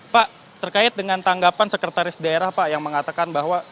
pak terkait dengan tanggapan sekretaris daerah pak yang mengatakan bahwa